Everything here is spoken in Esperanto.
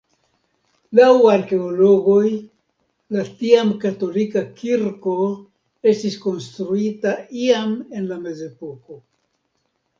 Laŭ arkeologoj la tiam katolika kirko estis konstruita iam en la mezepoko.